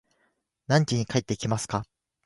何時に帰ってきますか